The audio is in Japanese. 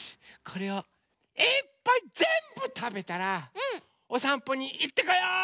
これをいっぱいぜんぶたべたらおさんぽにいってこよう！